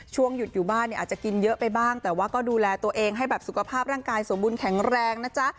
ช่วงหยุดอยู่บ้านเนี่ยอาจจะกินเยอะไปบ้างแต่ว่าก็ดูแลตัวเองให้แบบสุขภาพร่างกายสมบูรณแข็งแรงนะจ๊ะ